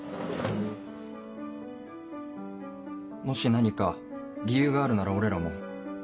もし何か理由があるなら俺らも。